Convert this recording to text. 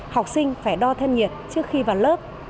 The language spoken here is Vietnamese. học sinh phải đo thân nhiệt trước khi vào lớp